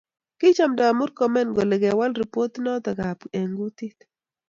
Kichamta Murkomen kole kewal ripotit noto ab eng kutit